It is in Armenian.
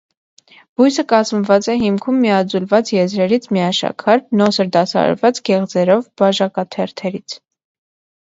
Բույսը կազմված է հիմքում միաձուլված, եզրերից միաշաքար, նոսր դասավորված գեղձերով բաժակաթերթերից։